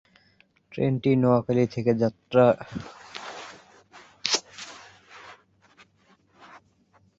ট্রেনটি নোয়াখালী থেকে ঢাকা যাত্রাপথে কুমিল্লা জেলা, ব্রাহ্মণবাড়িয়া জেলা, কিশোরগঞ্জ জেলা, নরসিংদী জেলা ও গাজীপুর জেলাকে সংযুক্ত করে।